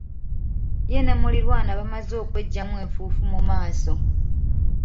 Ye ne muliranwa bamaze okweggyamu enfuufu mu maaso.